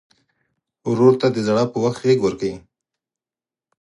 ورور ته د ژړا پر وخت غېږ ورکوي.